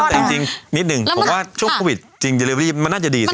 แต่จริงนิดนึงผมว่าช่วงโควิดจริงมันน่าจะดีสิครับ